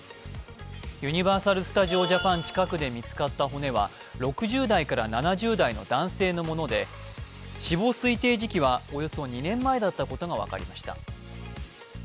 ユニバーサル・スタジオ・ジャパン近くで見つかった骨は６０代から７０代の男性のもので死亡推定時期はおよそ２年前だったことが分かりました。